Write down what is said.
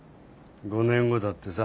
５年後だってさ。